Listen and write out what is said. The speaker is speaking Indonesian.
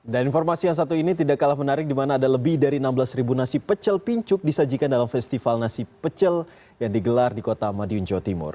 dan informasi yang satu ini tidak kalah menarik dimana ada lebih dari enam belas nasi pecel pincuk disajikan dalam festival nasi pecel yang digelar di kota madiun jawa timur